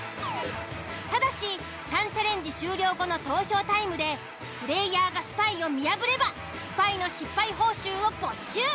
ただし３チャレンジ終了後の投票タイムでプレイヤーがスパイを見破ればスパイの失敗報酬を没収。